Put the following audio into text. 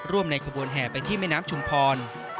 ในขบวนแห่ไปที่แม่น้ำชุมพร